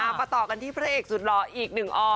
มาต่อกันที่พระเอกสุดหล่ออีกหนึ่งอ